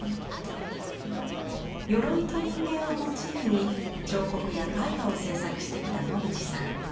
よろいと人間をモチーフに彫刻や絵画を制作してきた野口さん。